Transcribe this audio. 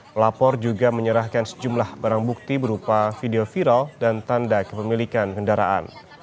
pelapor juga menyerahkan sejumlah barang bukti berupa video viral dan tanda kepemilikan kendaraan